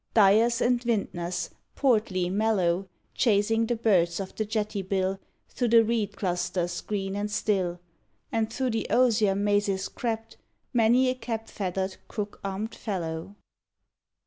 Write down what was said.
Dyers and Vintners, portly, mellow Chasing the birds of the jetty bill Through the reed clusters green and still; And through the osier mazes crept Many a cap feathered crook armed fellow.